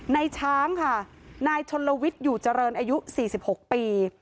ในช้างค่ะนายชนลวิทย์อยู่เจริญอายุ๔๖ปี